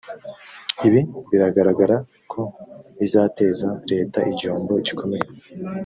ibi biragaragara ko bizateza leta igihombo gikomeye